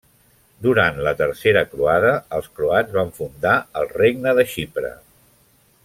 Durant la tercera croada, els croats van fundar el Regne de Xipre.